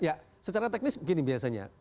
ya secara teknis begini biasanya